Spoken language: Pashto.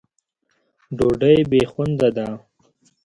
ډوډۍ بې خونده ده.